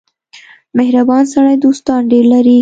• مهربان سړی دوستان ډېر لري.